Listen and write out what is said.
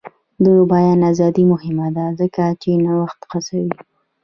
د بیان ازادي مهمه ده ځکه چې نوښت هڅوي.